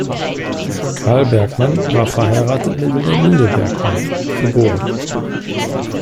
Carl Bergmann war verheiratet mit Wilhelmine Bergmann, geb.